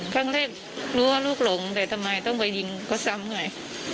ครั้งแรกรู้ว่าลูกหลงแต่ทำไมต้องไปยิงเขาซ้ำไง